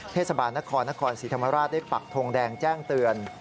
เทศบาลนครนครศรีธรรมราชได้ปักทงแดงแจ้งเตือน